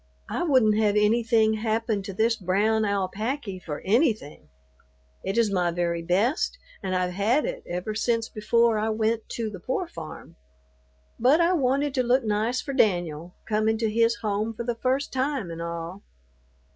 "I wouldn't have anything happen to this brown alapacky for anything; it is my very best, and I've had it ever since before I went to the pore farm; but I wanted to look nice for Danyul, comin' to his home for the first time an' all."